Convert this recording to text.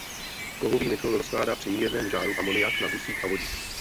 Kovový nikl rozkládá při mírném žáru amoniak na dusík a vodík.